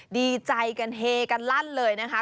ดีใจกันเฮกันลั่นเลยนะคะ